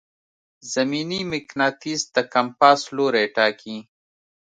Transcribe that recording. زمیني مقناطیس د کمپاس لوری ټاکي.